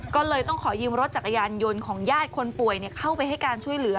ก็เลยต้องขอยืมรถจักรยานยนต์ของญาติคนป่วยเข้าไปให้การช่วยเหลือ